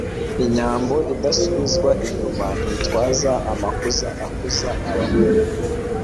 Inyambo idasubizwa inyuma nitwaza amakuza akuza abahungu